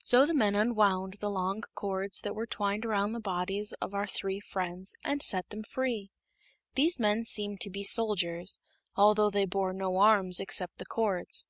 So the men unwound the long cords that were twined around the bodies of our three friends, and set them free. These men seemed to be soldiers, although they bore no arms except the cords.